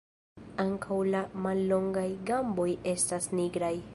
Ankaŭ la mallongaj gamboj estas nigraj.